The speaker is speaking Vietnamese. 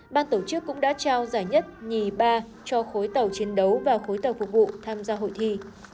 ban tổ chức cũng đã trao giải nhất nhì ba cho khối tàu chiến đấu và khối tàu phục vụ tham gia hội thi